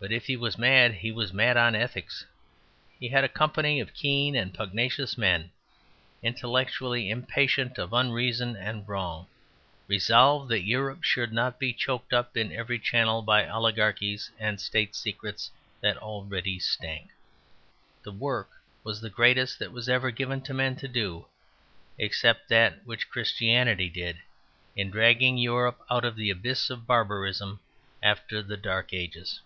But if he was mad he was mad on ethics. He and a company of keen and pugnacious men, intellectually impatient of unreason and wrong, resolved that Europe should not be choked up in every channel by oligarchies and state secrets that already stank. The work was the greatest that was ever given to men to do except that which Christianity did in dragging Europe out of the abyss of barbarism after the Dark Ages.